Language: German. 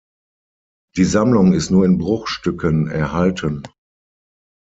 Die Sammlung ist nur in Bruchstücken erhalten.